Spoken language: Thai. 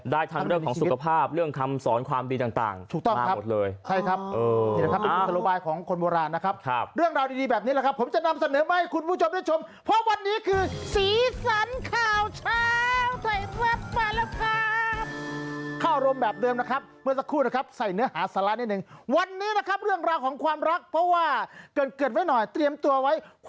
ได้ทำเรื่องของสุขภาพเรื่องคำสอนความดีต่าง